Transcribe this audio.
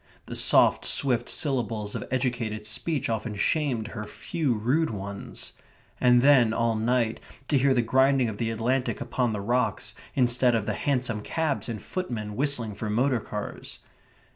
The soft, swift syllables of educated speech often shamed her few rude ones. And then all night to hear the grinding of the Atlantic upon the rocks instead of hansom cabs and footmen whistling for motor cars....